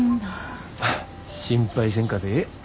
心配せんかてええ。